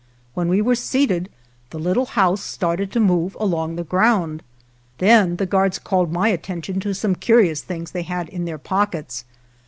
When we were seated the little house started to move along the ground. Then the guards called my attention to some curious things they had in their pockets.